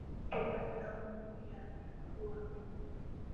Mambo matamu yamekuwa mengi